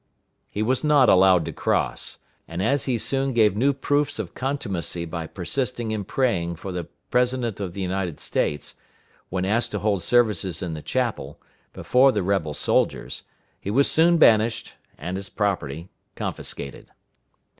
He was not allowed to cross; and as he soon gave new proofs of contumacy by persisting in praying for the President of the United States, when asked to hold services in the chapel, before the rebel soldiers, he was soon banished, and his property confiscated.